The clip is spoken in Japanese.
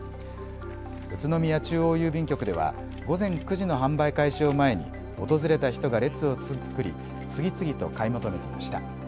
宇都宮中央郵便局では午前９時の販売開始を前に訪れた人が列を作り次々と買い求めていました。